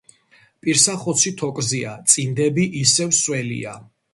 პირსახოცი თოკზეა, წინდები ისევ სველია.